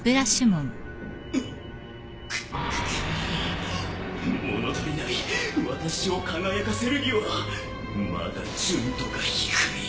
物足りない私を輝かせるにはまだ純度が低い。